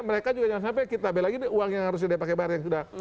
mereka juga jangan sampai kita beli lagi uang yang harusnya dia pakai barang